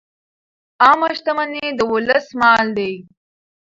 عامه شتمني د ولس مال دی.